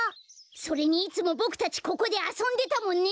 それにいつもボクたちここであそんでたもんね！